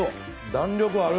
弾力ある。